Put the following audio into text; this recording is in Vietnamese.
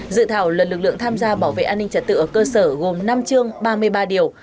dự thảo luật lực lượng tham gia bảo vệ an ninh trật tự ở cơ sở gồm năm chương ba mươi ba điều